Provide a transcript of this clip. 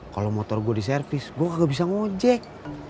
kalau motor gua di servis gua gak bisa ngojek